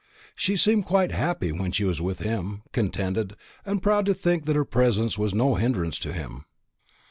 She seemed quite happy when she was with him, contented, and proud to think that her presence was no hindrance to him."